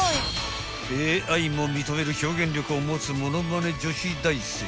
［Ａｉも認める表現力を持つものまね女子大生］